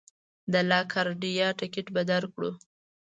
د لا ګارډیا ټکټ به درکړو.